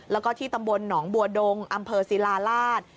แล้วก็ที่ตำบลหนองบัวดงอำเภอศิลาราช